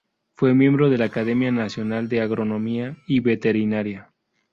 Fue miembro de la Academia Nacional de Agronomía y Veterinaria.